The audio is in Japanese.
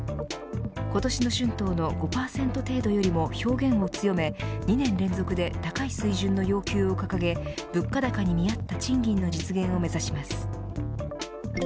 今年の春闘の５％程度よりも表現を強め２年連続で高い水準の要求を掲げ物価高に見合った賃金の実現を目指します。